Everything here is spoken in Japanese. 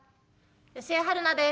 吉江晴菜です。